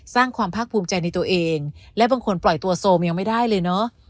สร้างความภาคภูมิใจในตัวเองและบางคนปล่อยตัวโซมยังไม่ได้เลยเนอะ